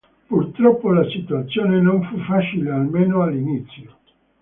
Purtroppo la situazione non fu facile, almeno all'inizio.